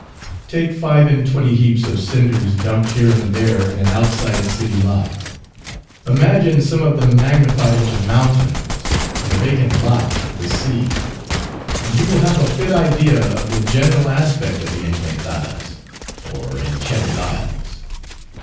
Take five and twenty heaps of cinders dumped here and there in an outside city lot; imagine some of them magnified into mountains, and the vacant lot the sea; and you will have a fit idea of the general aspect of the Encantadas, or Enchanted Isles.